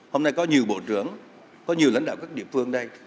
hôm nay có nhiều bộ trưởng có nhiều lãnh đạo các địa phương đây